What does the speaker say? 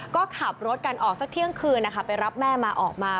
ก็ขับรถกันออกสักเที่ยงคืนนะคะไปรับแม่มาออกมา